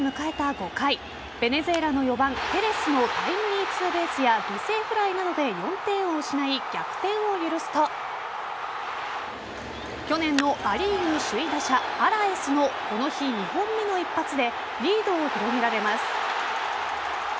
５回ベネズエラの４番・ペレスのタイムリーツーベースや犠牲フライなどで４点を失い逆転を許すと去年のア・リーグ首位打者アラエスのこの日２本目の一発でリードを広げられます。